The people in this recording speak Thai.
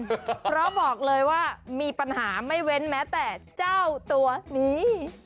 เพราะบอกเลยว่ามีปัญหาไม่เว้นแม้แต่เจ้าตัวนี้